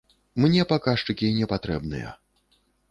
Мне паказчыкі не патрэбныя.